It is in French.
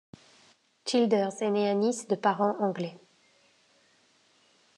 Childers est né à Nice de parents anglais.